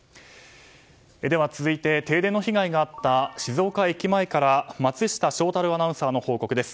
では続いて停電の被害があった静岡駅前から松下翔太郎アナウンサーの報告です。